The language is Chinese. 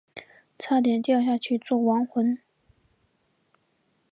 差点掉下去做亡魂